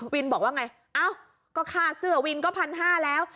บอกว่าไงเอ้าก็ค่าเสื้อวินก็๑๕๐๐แล้ว